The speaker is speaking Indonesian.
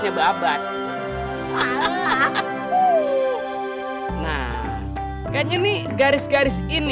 terus terus terus